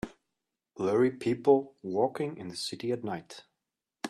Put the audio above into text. Blurry people walking in the city at night.